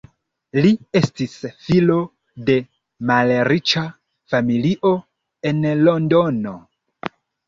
Li estis filo de malriĉa familio en Londono.